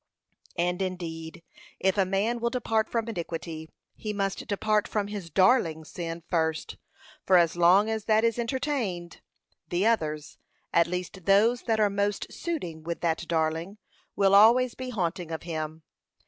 And, indeed, if a man will depart from iniquity, he must depart from his darling sin first; for as long as that is entertained, the others, at least those that are most suiting with that darling, will always be haunting of him.